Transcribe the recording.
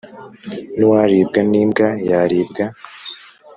n'uwaribwa n'imbwa yaribwa